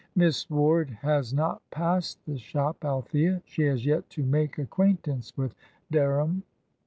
"Miss Ward has not passed the shop, Althea. She has yet to make acquaintance with Dereham."